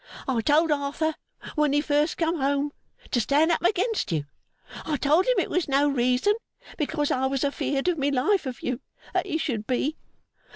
I told Arthur when he first come home to stand up against you. I told him it was no reason, because I was afeard of my life of you, that he should be.